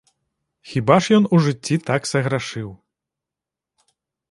Хіба ж ён у жыцці так саграшыў!